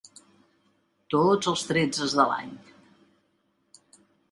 Tots els tretzes de l'any.